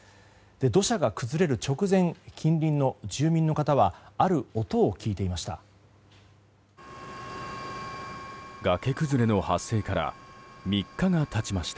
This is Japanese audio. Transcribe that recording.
土砂が崩れる直前近隣の住民の方はある音を聞いていました。